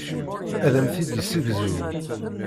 Ad am-t-id-yessegzu.